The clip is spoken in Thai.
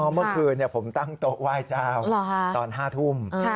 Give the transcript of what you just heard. เมื่อคืนผมตั้งโต๊ะไหว้เจ้าตอน๕ทุ่ม